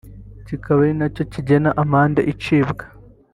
kikaba ari nacyo kigena amande icibwa